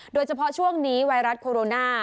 โดยเฉพาะช่วงนี้ไวรัสโคโรนา